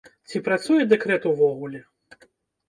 Ці працуе дэкрэт увогуле?